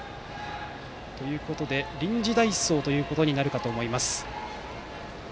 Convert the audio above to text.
臨時代走ということになるかと思います。